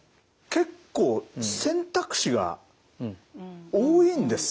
結構選択肢が多いんですね。